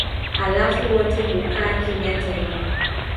Halafu wote hukaa kimya tena.